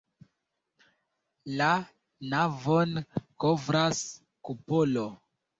La navon kovras kupolo.